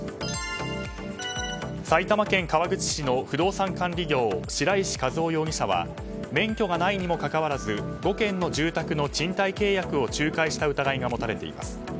埼玉県川口市の不動産管理業白石和男容疑者は免許がないにもかかわらず５件の住宅の賃貸契約を仲介した疑いが持たれています。